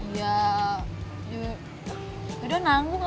iya udah nanggung abah